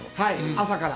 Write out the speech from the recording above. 朝から。